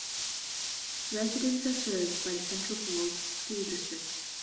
Residents are served by the Central Falls School District.